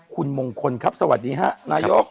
คุณมงคลครับสวัสดีฮะนายก